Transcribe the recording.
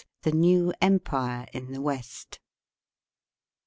THE NEW EMPIBE IN THE WEST.